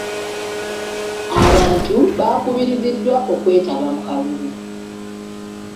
Abantu bakubiriziddwa okwetaba mu kalulu.